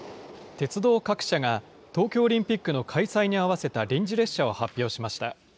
鉄道各社が、東京オリンピックの開催に合わせた臨時列車を発表しました。